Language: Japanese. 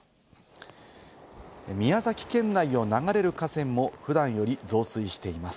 宮崎県内を流れる河川も普段より増水しています。